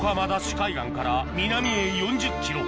海岸から南へ４０ｋｍ